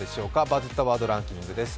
「バズったワードランキング」です。